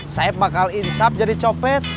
saya bakal insap jadi copet